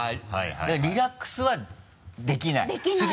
リラックスはできない。